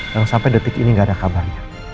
yang sampai detik ini gak ada kabarnya